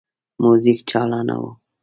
موزیک چالانه وو.